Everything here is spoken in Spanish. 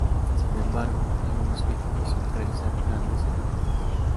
Sin embargo, algunos críticos realizaron grandes elogios.